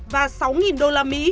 và sáu đô la mỹ